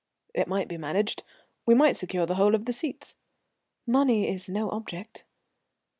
"It might be managed. We might secure the whole of the seats." "Money is no object."